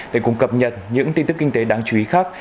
để cùng cập nhật những tin tức kinh tế đáng chú ý khác